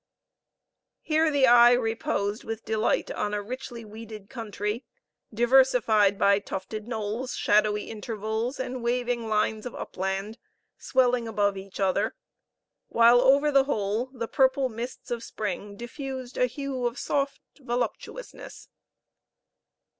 Here the eye reposed with delight on a richly weeded country, diversified by tufted knolls, shadowy intervals, and waving lines of upland, swelling above each other; while over the whole the purple mists of spring diffused a hue of soft voluptuousness.